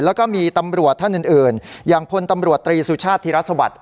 แล้วก็มีตำรวจท่านอื่นอย่างพลตำรวจตรีสุชาติธิรัฐสวัสดิ